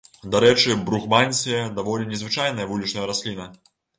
Дарэчы, бругмансія даволі незвычайная вулічная расліна.